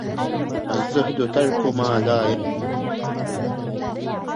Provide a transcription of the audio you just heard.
الزهد ترك ما لا ينفع في الآخرة.